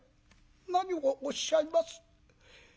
「何をおっしゃいます。